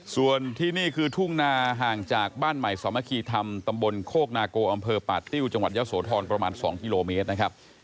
ส่วนที่นี่คือทุ่งนาห่างจากบ้านใหม่สามัคคีธรรมตำบลโคกนาโกอำเภอป่าติ้วจังหวัดยะโสธรประมาณ๒กิโลเมตรนะครับ